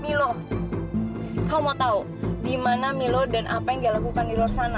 milo kau mau tahu di mana milo dan apa yang dia lakukan di luar sana